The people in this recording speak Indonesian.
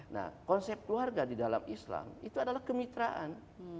nah konsep keluarga di dalam islam itu adalah kemitraan